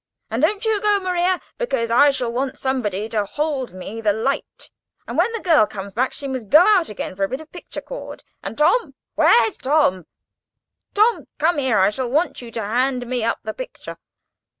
And don't you go, Maria, because I shall want somebody to hold me the light; and when the girl comes back, she must go out again for a bit of picture cord; and Tom!—where's Tom?—Tom, you come here; I shall want you to hand me up the picture."